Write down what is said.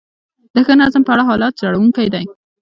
د ښه نظم په اړه حالت ژړونکی دی.